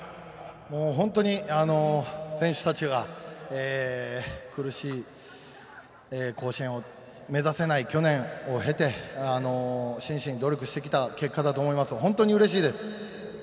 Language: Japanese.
もう本当に選手たちが苦しい甲子園を目指せない去年を経て真摯に努力してきた結果だと思います、本当にうれしいです。